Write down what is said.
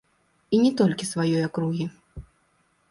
І не толькі сваёй акругі.